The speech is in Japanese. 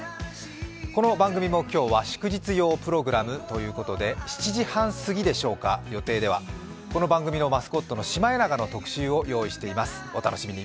この番組も今日は祝日用プログラムということで７時半すぎでしょうか、この番組のマスコットシマエナガの特集を用意しています、お楽しみに。